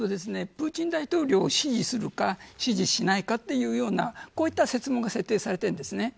プーチン大統領を支持するか支持しないかというようなこういう設問が設定されているんです。